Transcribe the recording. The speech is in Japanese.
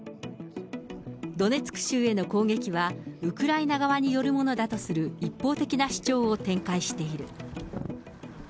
ドネツク州への攻撃は、ウクライナ側によるものだとする一方的な主張を展開している。